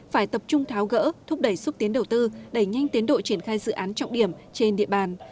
phải tập trung tháo gỡ thúc đẩy xúc tiến đầu tư đẩy nhanh tiến độ triển khai dự án trọng điểm trên địa bàn